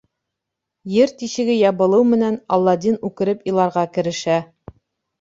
Ер тишеге ябылыу менән, Аладдин үкереп иларға керешә.